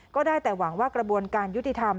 ก็ได้แต่หวังว่ากระบวนการยุติธรรม